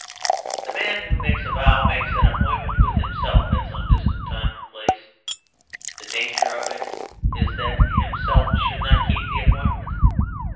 The man who makes a vow makes an appointment with himself at some distant time or place. The danger of it is that himself should not keep the appointment.